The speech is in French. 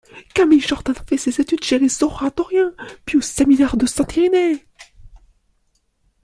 Camille Jordan fait ses études chez les Oratoriens, puis au séminaire de Saint-Irénée.